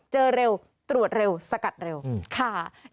เจอเร็วตรวจเร็วสกัดเร็วค่ะ